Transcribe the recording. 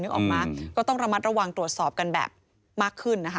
ออกมาก็ต้องระมัดระวังตรวจสอบกันแบบมากขึ้นนะคะ